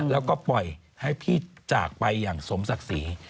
แล้วก็ปล่อยให้พี่จากไปอย่างสมศักดิ์ศรี